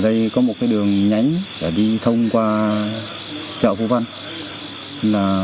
ở đây có một cái đường nhánh để đi thông qua chợ phú văn